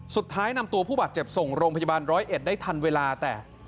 สุดท้ายนำตัวผู้บาดเจ็บส่งโรงพยาบาลร้อยเอ็ดได้ทันเวลาแต่